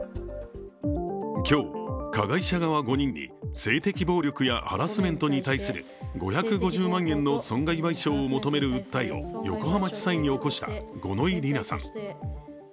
今日、加害者側５人に性的暴力やハラスメントに対する５５０万円の損害賠償を求める訴えを横浜地裁に起こした五ノ井里奈さん。